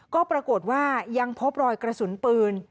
ก็ปรากฏว่ายังพบรอยกระสุนปืน